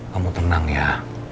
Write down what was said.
kamu tenang ya